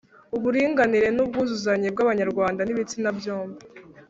uburinganire n'ubwuzuzanye bw'abanyarwanda b'ibitsina byombi,